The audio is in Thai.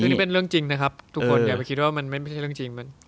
นี่เป็นเรื่องจริงนะครับทุกคนอย่าไปคิดว่ามันไม่ใช่เรื่องจริง